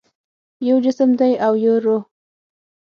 یو جسم دی او یو روح